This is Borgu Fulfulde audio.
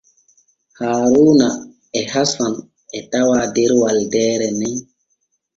Haaruuna e Hasan e tawaa der walde nen.